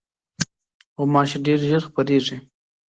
غوماشې ډېر ژر خپرېږي.